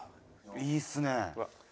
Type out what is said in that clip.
いいっすね。